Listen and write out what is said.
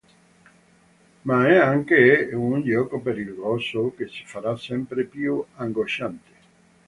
Ma è anche un gioco pericoloso, che si farà sempre più angosciante.